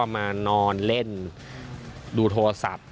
มานอนเล่นดูโทรศัพท์